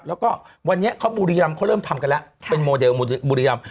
แล้วก็วันนี้เขาบุรีรำเขาเริ่มทำกันแล้วเป็นโมเดลบุรีรำ